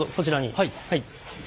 はい。